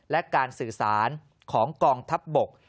และการสื่อสารของกองทัพบก